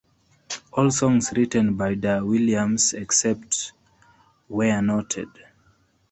All songs written by Dar Williams, except where noted.